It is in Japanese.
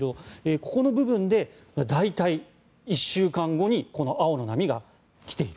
ここの部分で大体、１週間後に青の波が来ている。